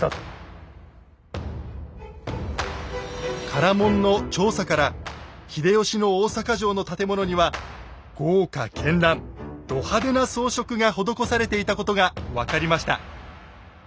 唐門の調査から秀吉の大坂城の建物には豪華絢爛ド派手な装飾が施されていたことが分かりました。